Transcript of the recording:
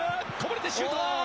こぼれてシュート。